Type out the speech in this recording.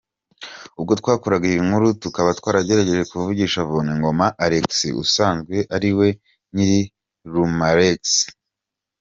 Ubwo twakoraga iyi nkuru tukaba twagerageje kuvugisha Vuningoma Alex usanzwe ariwe nyiri Rumalex.